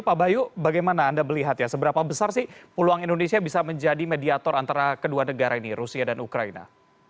pak bayu bagaimana anda melihat ya seberapa besar sih peluang indonesia bisa menjadi mediator antara kedua negara ini rusia dan ukraina